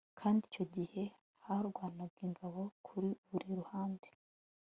kandi icyo gihe harwanaga ingabo kuri buri ruhande